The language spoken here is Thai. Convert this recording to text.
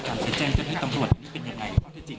ไม่มีการเป็นแจ้งจัดผู้ตำรวจเป็นยังไง